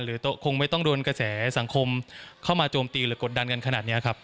คงไม่ต้องโดนกระแสสังคมเข้ามาโจมตีหรือกดดันกันขนาดนี้ครับ